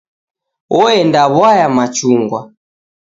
Oenda w'aya machungwa.